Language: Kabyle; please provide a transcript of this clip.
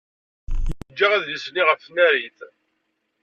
Yeǧǧa adlis-nni ɣef tnarit.